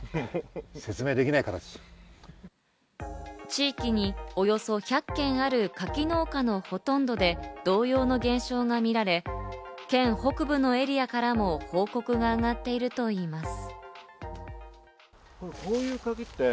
地域におよそ１００軒ある柿農家のほとんどで、同様の現象がみられ、県北部のエリアからも報告があがっているといいます。